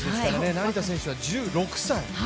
成田選手は１６歳。